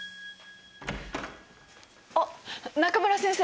あっ中村先生。